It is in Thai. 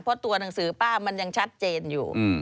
เพราะตัวหนังสือป้ามันยังชัดเจนอยู่